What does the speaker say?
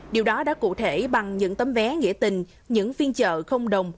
điều đó đã cụ thể bằng những tấm vé nghĩa tình những phiên chợ không đồng